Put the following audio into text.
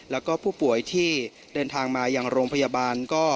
แล้วก็ผู้ป่วยที่เดินทางมายังโรงพยาบาลก็